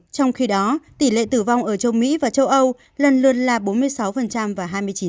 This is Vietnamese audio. trong khi đó tỷ lệ tử vong ở châu mỹ và châu âu lần lượt là bốn mươi sáu và hai mươi chín